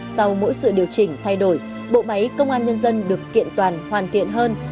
sau mỗi sự điều chỉnh thay đổi bộ máy công an nhân dân được kiện toàn hoàn thiện hơn